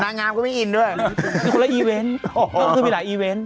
นางามก็ไม่อินด้วยมีหลายอีเว้นมีหลายอีเว้น